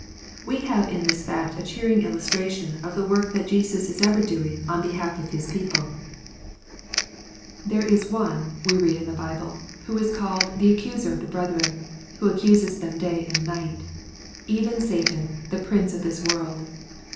We have in this fact a cheering illustration of the work that Jesus is ever doing on behalf of His people LUKE, CHAF. VI. 161 There is one, we read in the Bible, who is called "the accuser of the brethren, who accuses them day and night," even Satan, the prince of this world.